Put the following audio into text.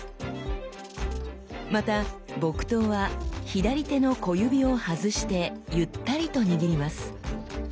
また木刀は左手の小指を外してゆったりと握ります。